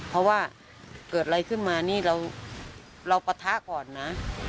เพราะว่าเกิดอะไรขึ้นมานี่เราปะทะก่อนนะ